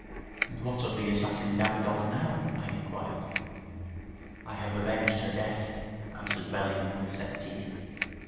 'And what of the assassin Davidoff now?' I inquired. 'I have avenged her death,' answered Bellingham with set teeth.